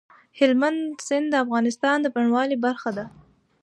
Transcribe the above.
هلمند سیند د افغانستان د بڼوالۍ برخه ده.